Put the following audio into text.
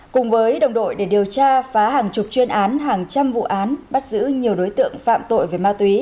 cùng với đồng đội để điều tra phá hàng chục chuyên án hàng trăm vụ án bắt giữ nhiều đối tượng phạm tội về ma túy